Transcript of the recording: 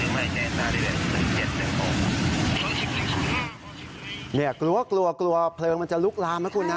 เกลียดกลัวเกลียดเพลิงมันจะลุกลามนะคุณฮะ